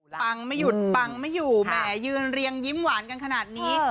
ฟังไม่หยุดปังไม่อยู่แหมยืนเรียงยิ้มหวานกันขนาดนี้